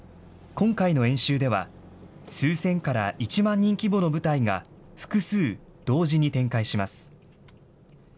今回の演習では、数千から１万人規模の部隊が複数、同時に展開します。